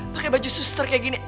pakai baju suster kayak gini